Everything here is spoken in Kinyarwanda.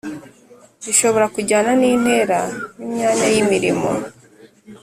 ishobora kujyana n’intera n’imyanya y’imirimo